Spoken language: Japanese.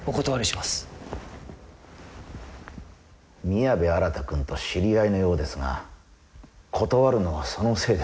宮部新くんと知り合いのようですが断るのはそのせいですか？